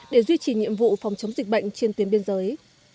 để duy trì nhiệm vụ phòng chống dịch bệnh trên tuyến biên giới